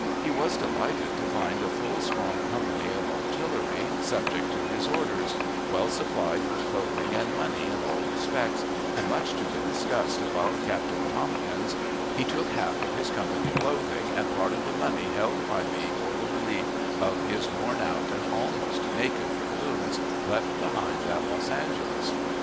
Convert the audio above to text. He was delighted to find a full strong company of artillery, subject to his orders, well supplied with clothing and money in all respects, and, much to the disgust of our Captain Tompkins, he took half of his company clothing and part of the money held by me for the relief of his worn out and almost naked dragoons left behind at Los Angeles.